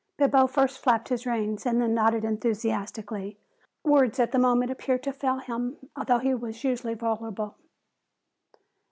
Bibo first flapped his reins and then nodded enthusiastically. Words at the moment appeared to fail him, although he was usually voluble.